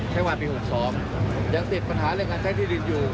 ใช้ว่าปี๖๒ยังติดปัญหาเรื่องการใช้ที่ดินอยู่